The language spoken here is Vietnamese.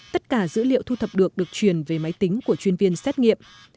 tất cả dữ liệu thu thập được được truyền về máy tính của chuyên viên xét nghiệm